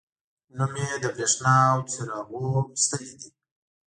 نوم یې د بریښنا او څراغونو ستنې دي.